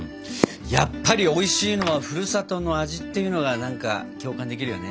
やっぱりおいしいのはふるさとの味っていうのが何か共感できるよね。